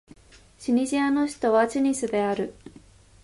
チュニジアの首都はチュニスである